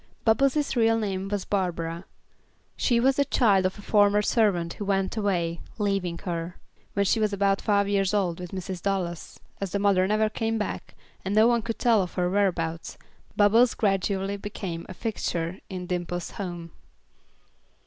Bubbles' real name was Barbara. She was the child of a former servant who went away, leaving her, when she was about five years old, with Mrs. Dallas; as the mother never came back, and no one could tell of her whereabouts, Bubbles gradually became a fixture in Dimple's home.